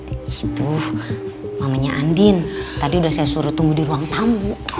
itu mamanya andin tadi udah saya suruh tunggu di ruang tamu